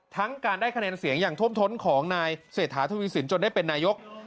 การได้คะแนนเสียงอย่างท่วมท้นของนายเศรษฐาทวีสินจนได้เป็นนายก